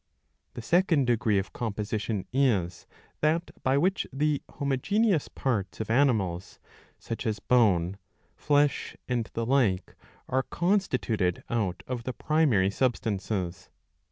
The second degree of composition is that by which the homo geneous parts of animals, such as bone, flesh, and the like, are constituted out of the primary substances.